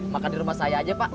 makan di rumah saya aja pak